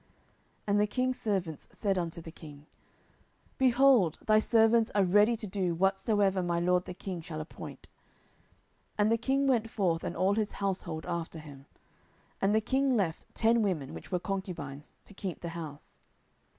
10:015:015 And the king's servants said unto the king, Behold, thy servants are ready to do whatsoever my lord the king shall appoint. 10:015:016 And the king went forth, and all his household after him. And the king left ten women, which were concubines, to keep the house.